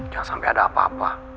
jangan sampai ada apa apa